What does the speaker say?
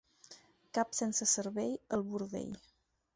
Cap sense cervell, al bordell.